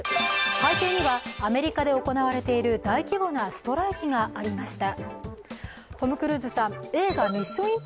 背景にはアメリカで行われている大規模なストライキがありました。